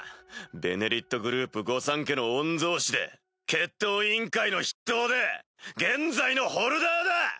「ベネリット」グループ御三家の御曹司で決闘委員会の筆頭で現在のホルダーだ！